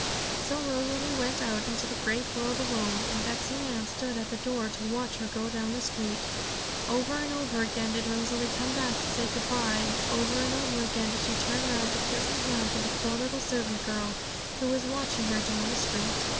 So Rosalie went out into the great world alone, and Betsey Ann stood at the door to watch her go down the street. Over and over again did Rosalie come back to say good bye, over and over again did she turn round to kiss her hand to the poor little servant girl, who was watching her down the street.